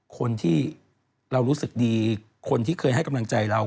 คนที่เรารู้สึกดีคนที่เคยให้กำลังใจเรา